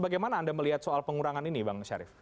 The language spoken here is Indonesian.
bagaimana anda melihat soal pengurangan ini bang syarif